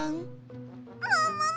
ももも！